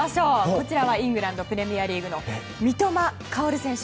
こちらはイングランド・プレミアリーグの三笘薫選手。